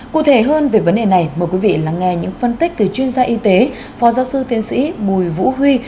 cụ thể hơn về vấn đề này mời quý vị lắng nghe những phân tích từ chuyên gia y tế phó giáo sư tiến sĩ bùi vũ huy